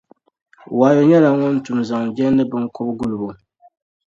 Wayo nyɛla ŋun tum zaŋ jɛndi binkɔb' gulibo.